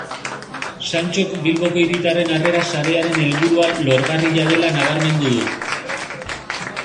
Santxok Bilboko Hiritarren Harrera Sarearen helburua lorgarria dela nabarmendu du.